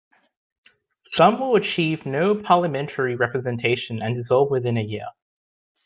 Some will achieve no parliamentary representation and dissolve within a year.